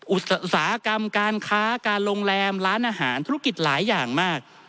อุตสาหกรรมการค้าการโรงแรมร้านอาหารธุรกิจหลายอย่างมาก